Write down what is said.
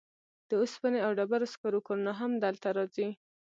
د اوسپنې او ډبرو سکرو کانونه هم دلته راځي.